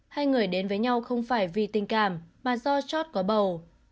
hai người đến với nhau không phải vì tình cảm mà do chót có bầu